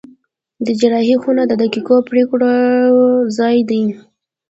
د جراحي خونه د دقیقو پرېکړو ځای دی.